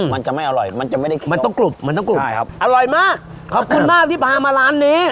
มันจะไม่อร่อยมันจะไม่ได้เคียวใช่ครับอร่อยมากขอบคุณมากที่พามาร้านนี้